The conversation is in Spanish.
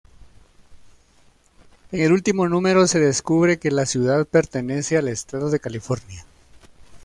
En el último número se descubre que la ciudad pertenece al Estado de California.